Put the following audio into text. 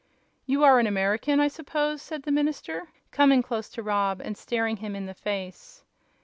"You are an American, I suppose," said the minister, coming close to Rob and staring him in the face.